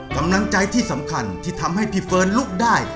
กำลังใจที่สำคัญที่ทำให้พี่เฟิร์นลุกได้